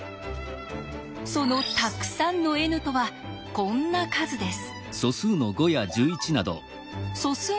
そのたくさんのｎとはこんな数です。